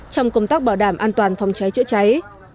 trong công tác bảo đảm an toàn phòng cháy chữa cháy